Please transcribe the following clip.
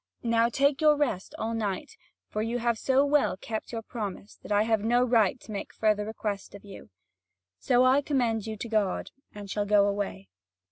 Now take your rest all night, for you have so well kept your promise that I have no right to make further request of you. So I commend you to God; and shall go away."